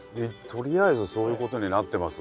とりあえずそういうことになってます。